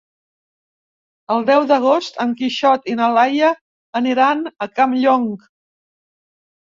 El deu d'agost en Quixot i na Laia aniran a Campllong.